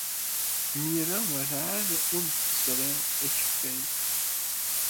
Mira werɛad ur d-tesɣi akeffay.